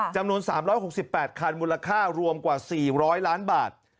จำนวน๓๖๘คันมูลค่ารวมกว่า๔๐๐ล้านบาท